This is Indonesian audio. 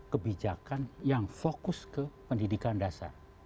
kebijakan yang fokus ke pendidikan dasar